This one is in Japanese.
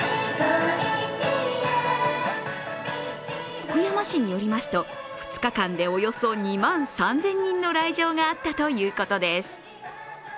福山市によりますと２日間でおよそ２万３０００人の来場があったということです。